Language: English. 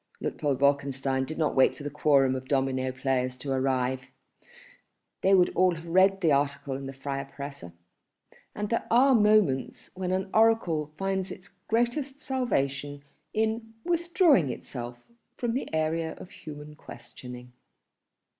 Luitpold Wolkenstein did not wait for the quorum of domino players to arrive. They would all have read the article in the Freie Presse. And there are moments when an oracle finds its greatest salvation in withdrawing itself from the area of human questioning.